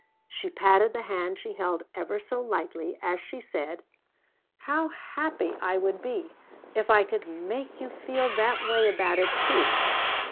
She patted the hand she held ever so lightly as she said: "How happy I would be if I could make you feel that way about it, too.